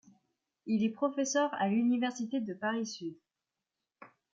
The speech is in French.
Il est Professeur à l'Université de Paris-Sud.